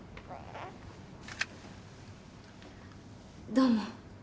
どうも。